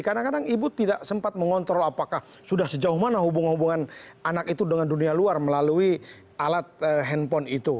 kadang kadang ibu tidak sempat mengontrol apakah sudah sejauh mana hubungan hubungan anak itu dengan dunia luar melalui alat handphone itu